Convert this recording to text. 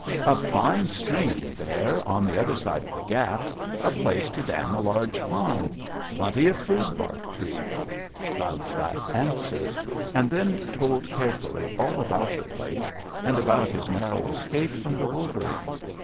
"'A fine stream there on the other side of the gap. A place to dam a large pond. Plenty of food bark trees,' Loud Slap answered, and then told carefully all about the place, and about his narrow escape from the wolverine.